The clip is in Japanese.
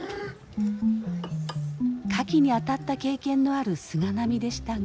カキにあたった経験のある菅波でしたが。